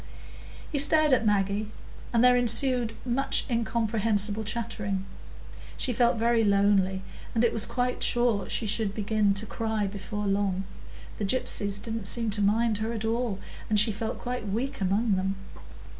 He stared at Maggie, and there ensued much incomprehensible chattering. She felt very lonely, and was quite sure she should begin to cry before long; the gypsies didn't seem to mind her at all, and she felt quite weak among them.